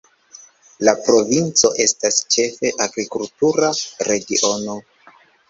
La provinco estas ĉefe agrikultura regiono.